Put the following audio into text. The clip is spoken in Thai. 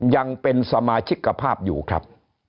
ยังเป็นสมาชิกภาพอยู่ครับ